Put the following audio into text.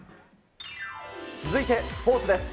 続いて、スポーツです。